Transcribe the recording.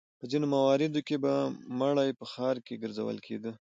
په ځینو مواردو کې به مړی په ښار کې ګرځول کېده.